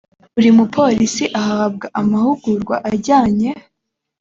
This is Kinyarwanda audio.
buri mupolisi ahabwa amahugurwa ajyanye